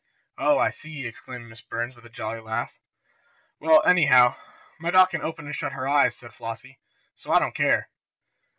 "Oh, I see!" exclaimed Miss Burns with a jolly laugh. "Well, anyhow, my doll can open and shut her eyes," said Flossie. "So I don't care!"